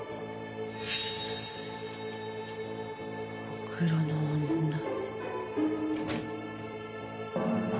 ほくろの女。